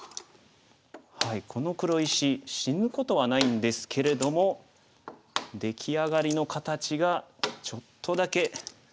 この黒石死ぬことはないんですけれども出来上がりの形がちょっとだけ。